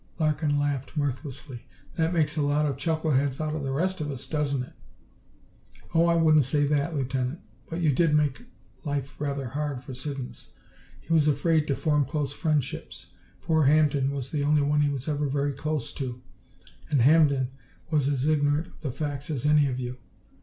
Larkin laughed, mirthlessly. "That makes a lot of chuckle heads out of the rest of us, doesn't it?" "Oh, I wouldn't say that, Lieutenant. But you did make life rather hard for Siddons. He was afraid to form close friendships. Poor Hampden was the only one he was ever very close to, and Hampden was as ignorant of the facts as any of you.